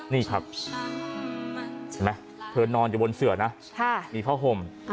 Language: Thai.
นี่ครับเห็นไหมเธอนอนอยู่บนเสือนะมีผ้าห่ม